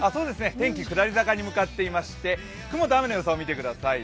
天気下り坂に向かっていまして雲と雨の予想を見てください。